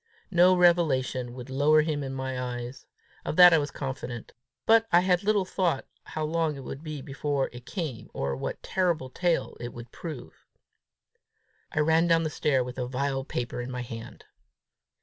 No revelation would lower him in my eyes! Of that I was confident. But I little thought how long it would be before it came, or what a terrible tale it would prove. I ran down the stair with the vile paper in my hand.